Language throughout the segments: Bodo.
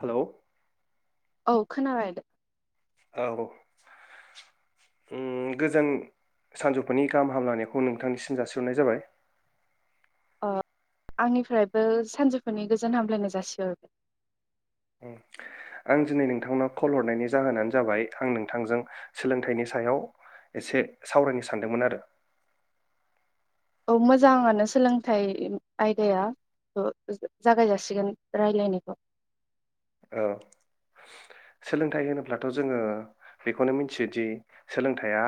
हेलौ औ खोनाबायद औ औ उम गोजान सानजौफुनि गाहाम हामलानायखौ नोंथांनिसिम जासिहनाय जाबाय। अ आंनिफ्रायबो सानजुफुुनि गोजोन हामलायनाय जासिहरबाय। उम, आं दिनै नोंथांनाव कल हरनायनि जाहोनानो जाबाय आं नोंथांजों सोलोंथाइनि सायाव एसे सावरायनो सानदोंमोन आरो औ मोजाङानो सोलोंथाइ आयदाया ओ जागाय जाासिगोन राय्लायनायखौ औ सोलोंथाइ होनोब्लाथ' जोङो बेखौनो मिथियोदि सोलोंथाइया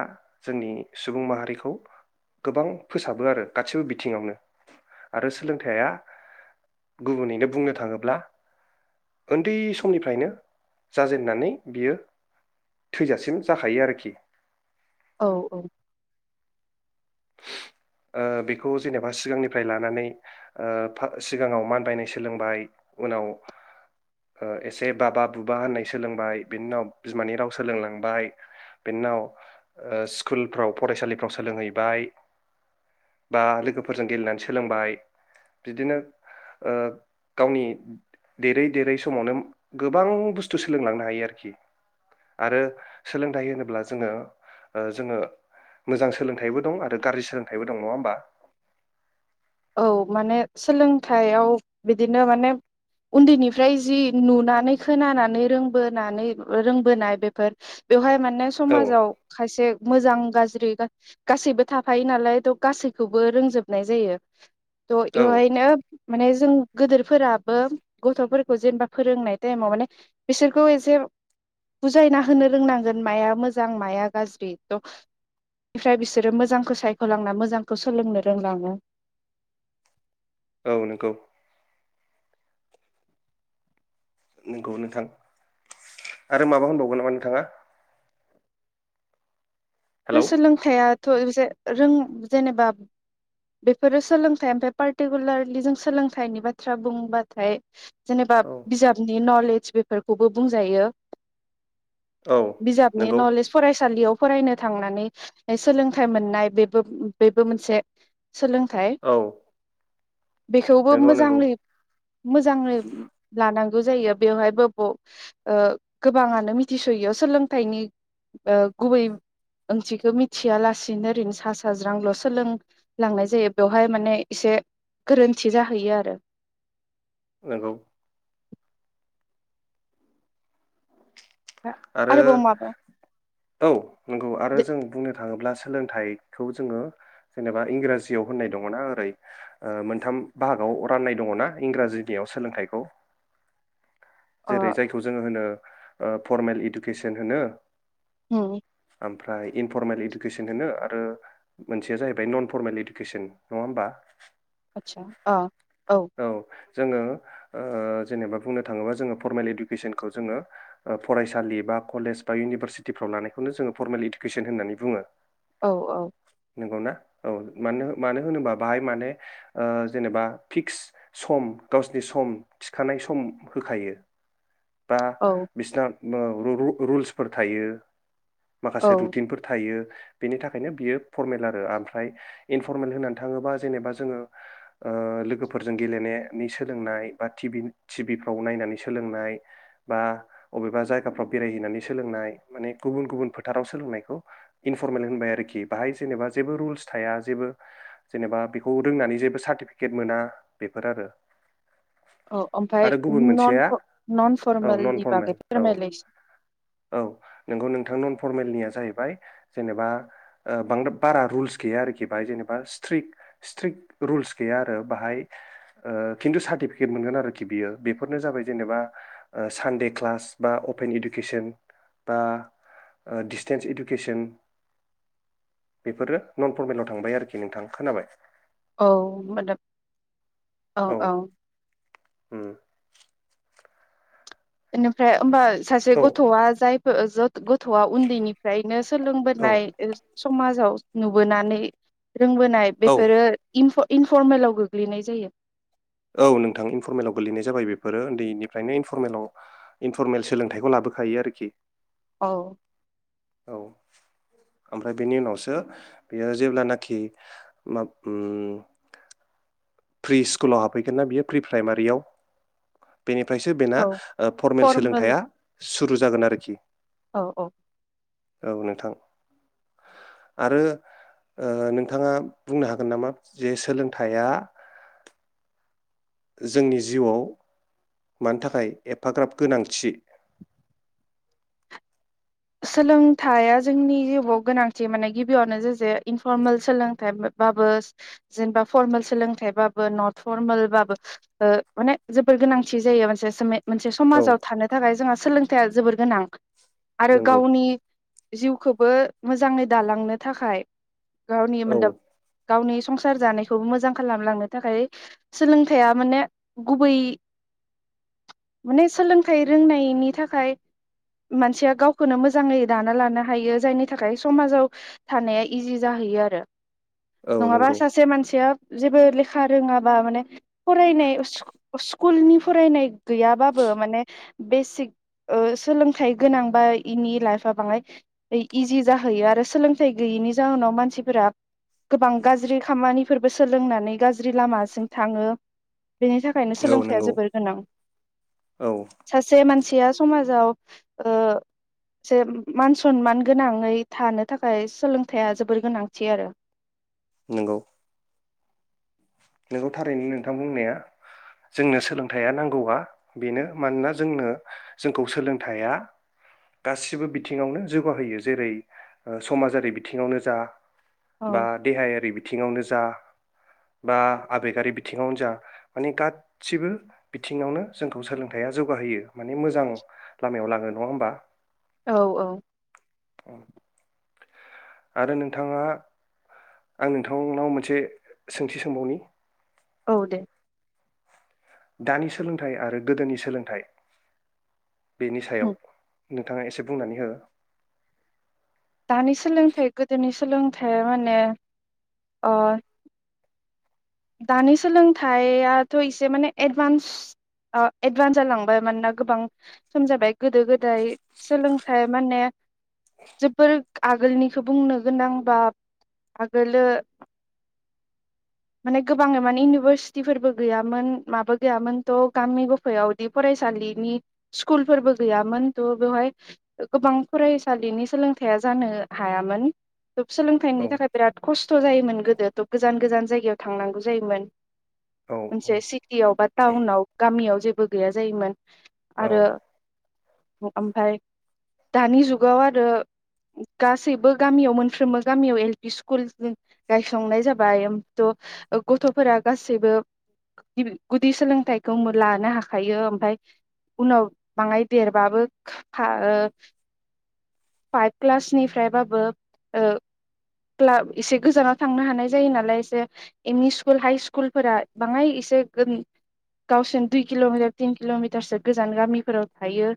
जोंनि सुबुं माहारिखौ गोबां फोसाबो आरो गासिबो बिथिङावनो आरो सोलोंथाइया गुबुनैनो बुंनो थाङोब्ला उन्दै समनिफ्रायनो जाजेेननानै बियो थैजासिम जाखायो आरोखि औ औ ओ बेखौ जेनेबा सिगांनिफ्राय लानानै ओ सिगाङाव मानबायनाय सोलोंबाय उनाव ओ एसे बाबा बुबा होननाय सोलोंबाय बिनि उनाव बिमानि राव सोलोंलांबाय बेनि उनाव ओ स्कुलफ्राव फरायसालिफ्राव सोलोंहैबाय बा लोगोफोरजों गेलेनानै सोलोंबाय बिदिनो ओ गावनि देरै देरै समावनो गोबां बुस्थु सोलोंलांनो हायो आरोखि आरो सोलोंथाइ होनोब्ला जोङो ओ जोङो मोजां सोलोंथाइबो दं आरो आरो गाज्रि सोलोंथाइबो दं नङा होमबा औ माने सोलोंथायाइयाव बिदिनो माने उन्दैनिफ्राय जि नुनानै खोनानानै रोंबोनानै रोंबोनाय बेफोर बेवहाय माने औ समाजाव खायसे मोजां गाज्रि गासैबो थाफायो नालाय थ' गासैखौबो रोंजोबनाय जायो तह औ एवहायनो माने जों गोदोर फोराबो गथ'फोरखौ जेनेबा फोरोंनाय टाइमाव माने बिसोरखौ एसे बुजायना होनो रोंनांगोन माया मोजां माया गाज्रि' ट मफ्राय बिसोरो मोजांखौ सायख'लांना मोजांखौ सोलोंनो रोंलाङो औ नंगौ नंगौ नोंथां आरो माबा होनबावगोन नामा नोंथाङा बे हेलौ सोलोंथाइया थ' रों जेनेबा बेफोरो सोलोंथाइ ओमफ्राय पार्टिकुलारलि जों सोलोंथाइनि बाथ्रा बुंबाथाय जेनेबा औ बिजाबनि नलेज बेफोरखौबो बुंजायो औ बिजाबनि नंगौ नलेज फरायसालियाव फरायनो थांनानै सोलोंथाइ मोननाय बेबो बेबो मोनसे सोलोंथाय औ बेखौबो नंगौ नंगौ मोजाङै मोजाङै लानांगौ जायो बेवहायबो गोबाङानो मिथिस'यैआव सोलोंथाइनि गुबै। ओंथिखौ मिथिया लासिनो ओरैनो सा साज्रांल' सोलोंलांनाय जायो बेवहाय माने एसे गोरोन्थि जाहैयो आरो। नोंगौ। आरो आरोबाव माबा औ नंगौ आरो दे जों बुंनो थाङोब्लासो। सोलोंथाइखौ जोङो जेनेबा इंराजियाव होननाय दङना ओरै मोनथाम बाहागाव राननाय दङना इंराजिनियाव सोलोंथाइखौ। अ जेरै जायखौ जोङो होनो। फर्मेल इडुकेसन होनो। [unintelligible] ओमफ्राय इनफरमेल इदुकेसन होनो, आरो मोनसेया जाहैबाय नन फरमेल इदुकेसन नङा होमबा? आतसा अ। औ। जोङो जेनेबा बुंनो थाङोबा जोङो फरमेल इदुकेसनखौ जोङो, फरायसालि बा कलेज बा इउनिभारसिटिफ्राव लानायखौनो जोङो फरमेल इदुकेसन होननानै बुङो। औ औ। नोंगौनाा औ मानो मानो होनोबा? बाहाय माने जेनेबा फिक्स सम गावसिनि सम थिखानाय सम होखायो। बा औ बिसना रुल्सफोर थायो। औ माखासे रुटिनफोर थायो। बेनि थाखायनो बियो फरमेल आरो, ओमफ्राय इनफरमेल होननानै थाङोबा जेनेबा जोङो लोगोफोरजों गेलेनायनि सोलोंनाय बा टि टिभिफ्राव नायनानै सोलोंनाय। बा बबेबा जायगाफ्राव बेरायहैनानै सोलोंनाय माने गुबुन गुबुन फोथाराव सोलोंनायखौ इनफरमेल होनबाय आरोखि बाहाय जेनेबा जेबो रुल्स थाया जेबो जेनेबा बेखौ रोंनानै जेबो सार्टिफिकेट मोना बेफोर आरो। औ आरो ओमफ्राय गुबुन मोनसेया नन नन औ नन फरमेलनि बागै फरमेल औ फोरमायलाय औ नोंगौ नोंथां, नन फरमेलनिया। जाहैबाय जेनेबा बारा रुलस गैया आरोखि बाहाय जेनेबा स्ट्रिक स्ट्रिक रुलस गैया आरो, बाहाय खिन्थु सार्टिफिकेट मोनगोन आरोखि बियो बेफोरनो जाबाय जेनेबा। ओ सानडे क्लास बा अपेन इडुकेसन बा डिसटेन्स इडुकेसन बेफोरो नन फरमेलाव थांबाय आरोखि, नोंथां खोनाबाय? औ मादद औ औ। उ बेनिफ्राय होमबा सासे औ गथ'आ जाय गथ'आ उन्दैनिफ्रायनो औ सोलोंबोनाय समाजाव नुबोनानै रोंबोनाय औ बेफोरो इनफरमेलाव गोग्लैनाय जायो। औ नोंथां इनफरमेलाव गोलैनाय जाबाय बेफोरो उन्दैनिफ्रायनोनफरमेलाव इनफरमेल सोलोंथाइखौ लाबोखायो आरोखि। औ। औ ओमफ्राय बेनि उनावसो बियो जेब्लानाखि मा प्रि स्कुलाव हाबफैगोन ना बियो प्रि प्राइमारियाव? बेनिफ्रायसो बेना फरमेल सोलोंथाइया सुरु जागोन आरोखि। औ औ। औ नोंथां आरो नोंथाङा बुंनो हागोन नामा जे सोलोंथाइया जोंनि जिउआव मानि थाखाय एफाग्राब गोनांथि? सोलोंथाइया जोंनि जिउआव गोनांथि माने गिबियावनो जेसे इनफरमेल सोलोंथाइ बाबो जेनेबा फरमेल सोलोंथाइ बाबो नट फरमेलबाबो माने जोबोर गोनांथि जायो मोनसे मोनसे औ समाजाव थानो थाखाय जोंहा सोलोंथायाइा जोबोर गोनां। आरो नंगौ गावनि जिउखौबो मोजाङै दालांनो थाखाय गावनि औ मोन्दां गावनि संसार जानायखौबो मोजां खालामलांनो थाखाय सोलोंथाइया माने गुबै माने सोलोंथाइ रोंनायनि थाखाय मानसिया गावखौनो मोजाङै दाना लानो हायो जायनि थाखाय समाजाव थानाया इजि जाहैयो आरो औ नङाबा नंगौ सासे मानसिया जेबो लेखा रोङाबा माने फरायनाय स्कुलनि फरायनाय गैयाबाबो माने बेसिक सोलोंथाइ गोनां बा इनि लाइफआ बांद्राय इजि जाहैयो आरो सोलोंथाइ गैयैनि जाहोनाव मानसिफोरा गोबां गाज्रि खामानिफोरबो सोलोंनानै गाज्रि लामाजम थाङो। बेनि थाखायनो औ सोलोंथाइया नंगौ जोबोर गोनां। औ सासे मानसि मानसेया समाजाव जे मान सनमान गोनाङै थानो थाखाय सोलोंथाइया जोबोर गोनांथि आरो। नंगौ। नोंगौ थारैनो नोंथां बुंनाया जोंनो सोलोंथाइया नांगौआ बेनो मानोना जोंनो जोंखौ सोलोंथाइया गासिबो बिथिङावनो जौगाहोयो जेरै समाजारि बिथिङावनो जा बा औ देहायारि बिथिङावनो जा बा आबेगारि बिथिङावनो जा माने गासिबो बिथिङावनो जोंखौ सोलोंथाइया जौगाहोयो माने मोजां लामायाव लाङो नङा होमबा? औ औ। औ। आरो नोंथाङा आं नोंथांनाव मोनसे सोंथि सोंबावनि औ दे दानि सोलोंथाइ आरो गोदोनि सोलोंथाइ बेनि उम सायाव नोंथाङा एसे बुंनानै हो। दानि सोलोंथाइ गोदोनि सोलोंथाइया माने दानि सोलोंथाइयाथ' एसे माने एडभान्स एडभान्स जालांबाय मानोना गोबां सम जाबाय गोदो गोदाय सोलोंथाइ माने जोबोर आगोलनिखौ बुंनो गोनां बा आगोलो माने गोबाङै माने इउनिभारसिटिफोरबो गैयामोन माबो गैयामोन थ' गामि गफायावदि फरायसालिनि स्कुलफोरबो गैयामोन थह बेवहाय गोबां फरायसालिनि सोलोंथाइया जानो हायामोन। थब सोलोंथाइनि औ थाखाय बिराद खस्थ' जायोमोन गोदो थब गोजान गोजान जायगायाव थांनांगौ जायोमोन औ औ मोनसे सिटियाव बा टाउनाव गामियाव जेबो गैया जायोमोन। आरो ओमफाय दानि जुगाव आरो गासैबो गामियाव मोनफ्रोमबो गामियाव एल पि स्कुल गायसंनाय जाबाय थ' गथ'फोरा गासैबो गुदि सोलोंथाइखौ लानो हाखायो ओमफ्राय उनाव बाङाय देरबाबो फाइभ क्लासनिफ्रायबाबो ओ एसे गोजानाव थांनो हानाय जायो नालाय एसे एम इ स्कुल हाइ स्कुलफोरा बाङाय इसे गावसोरनो दुइ किल'मिटार तिन किल'मिटारसो गोजान गामिफोराव थायो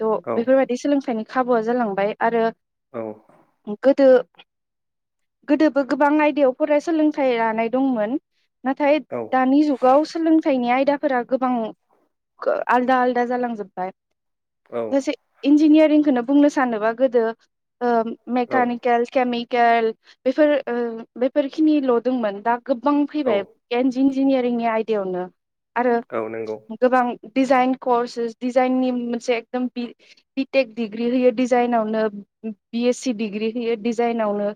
थ' औ बेफोरबायदि सोलोंथाइनि खाबुआ जालांबाय आरो औ गोदो गोदोबो गोबां आयदायाव फरायसोलों थाइ लानाय दंमोन नाथाय औ दानि जुगाव सोलोंथाइनि आयदा फोर गोबां आलदा आलदा जालांजोबबाय ससे इन्जिनियारिंखौनो बुंनो सानोबा गोदो ओ औ मेकानकेल केमि बेफोर ओ बेफोरखिनिल दोंमोनदा गोबां औ फैबाय इन्जिनियारिंनि आयदिायावनो आरो औ नंगौ गोबां डिजाइन कर्सेस डिजाइननि मोनसे एकदम बिटेक डिग्रि होयो डिजाइनावनो बिएस सि डिग्रि होयो डिजाइनावनो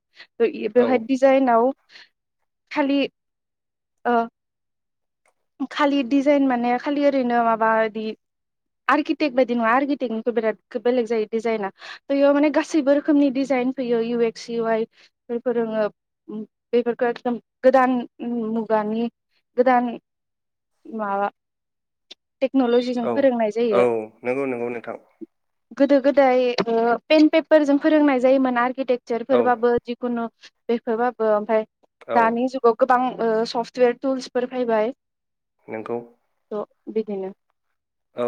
औ बेवहाय डिजाइनाव [inaudible] खालि ओ खालि डिजाइन माने खालि ओरैनो माबा बिदि आर्किटेक्ट बायदि नङा आर्किटेक्टनिखौ बिराद बेलेग जायो डिजाइना थ बेयाव माने गासैबो रोखोमनि डिजाइन फैयो इउ एक्स इउवाइ बेफोरोङो बेफोरखौ एखदम गोदान मुगानि गोदान माबा टेक्न'लजिजों औ फोरोंनाय औ जायो नंगौ नंगौ नोंथां गोदो गोदाय पेन पेपार जों फोरोंनाय जायोमोन आरकिटेक औ जोरफोर बाबो जिखुनु। बेफोरबाबो ओमफाय। औ दानि जुगाव गो बां सफ्टवेर टुल्सफोर फैबाय। नोंगौ। बिदिनो। औ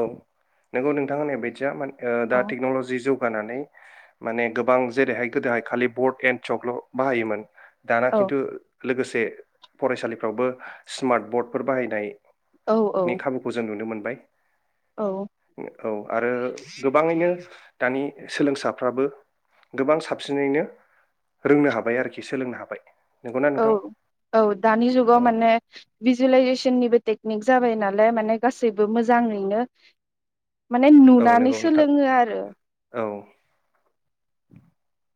नोंगौ नोंथां होननाय बायदिया। दा औ टेक्न'लजि जौ। नानै गोबां जेरैहाय गोदोहाय खालि बर्ड एन चकल' बाहायोमोन। दाना औ खिन्थु। लोगोसे फरायसालिफ्रावबो स्मार्ट बर्डफोर बाहायनाय। औ औ नि खाबुखौ जों नुनो मोन बाय। औ। औ आरो गोबाङैनो दानि सोलोंसाफ्राबो गोबां साबसिनैनो रोंनो हाबाय आरोखि सोलोंनो हाबाय। नंगौना औ नोंथां औ दानि औ जुगाव माने भिजुलाइजेसननिबो। टेकनिक जाबाय नालाय माने गासैबो मोजाङैनो माने औ नुनानै नंगौ नोंथां सोलोङो आरो। [inaudible]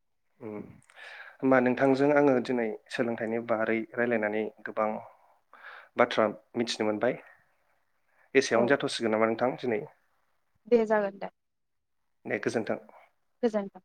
होमबा नोंथांजों आङो दिनै सोलोंथाइनि बारै रायलायनानै गोबां बाथ्रा मिथिनो मोनबाय। औ एसेयावनो जाथ'सिगोन नामा नोंथां दिनै। दे जागोन दे। दे गोजोन्थों। गोजोन्थों।